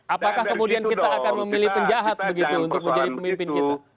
apakah kemudian kita akan memilih penjahat begitu untuk menjadi pemimpin gitu